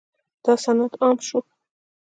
دا صنعت عام شو.